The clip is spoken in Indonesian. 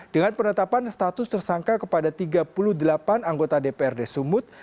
dengan penetapan status tersangka kepada tiga puluh delapan anggota dprd sumut